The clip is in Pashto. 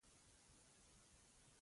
په پلورنځي کې مختلف ډول توکي پلورل کېږي.